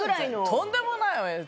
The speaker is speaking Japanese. とんでもないわよ。